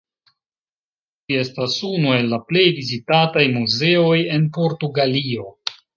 Ĝi estas unu el la plej vizitataj muzeoj en Portugalio.